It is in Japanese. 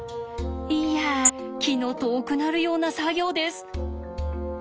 いや気の遠くなるような作業です。